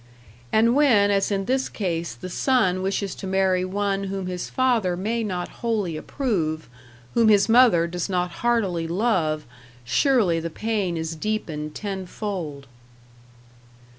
And when, as in this case, the son wishes to marry one whom his father may not wholly approve, whom his mother does not heartily love, surely the pain is deepened tenfold.